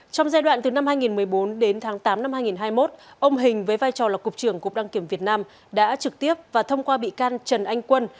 trong giai đoạn từ năm hai nghìn một mươi bốn đến tháng tám năm hai nghìn hai mươi một ông hình với vai trò là cục trưởng cục đăng kiểm việt nam đã trực tiếp và thông qua bị can trần anh quân